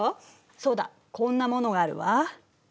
そうだこんなものがあるわ。